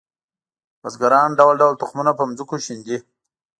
بزګران ډول ډول تخمونه په ځمکو شیندي